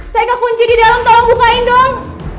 saya kekunci di dalam tolong bukain dong